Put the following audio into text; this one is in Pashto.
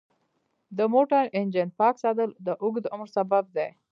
د موټر انجن پاک ساتل د اوږد عمر سبب دی.